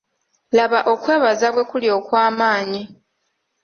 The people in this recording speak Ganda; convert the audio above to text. Laba okwebaza bwe kuli okw'amaanyi.